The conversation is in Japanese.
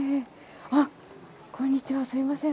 あっこんにちはすみません。